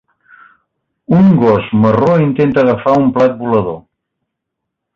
Un gos marró intenta agafar un plat volador.